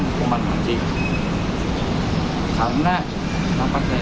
kalau saya keinginannya saya harus berpikir pikir